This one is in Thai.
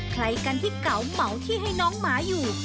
ใครกันที่เก๋าเหมาที่ให้น้องหมาอยู่